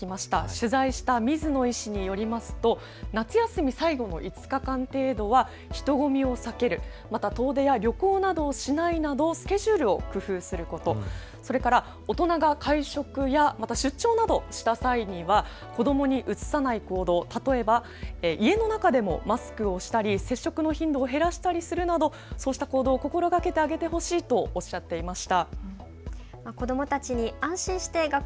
取材した水野医師によりますますと夏休み最後の５日間程度は人混みを避ける、また遠出や旅行などをしないなどのスケジュールを工夫すること、それから大人が会食や出張などした際には子どもにうつさない行動、例えば家の中でもマスクをしたり接触の頻度を減らしたりするなど、こうした行動を心がけてあげてほしいとおっしゃっていました。